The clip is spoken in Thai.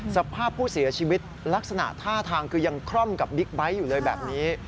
สภาพผู้เสียชีวิตลักษณะท่าทางคือยังคล่อมกับบิ๊กไบท์อยู่เลยแบบนี้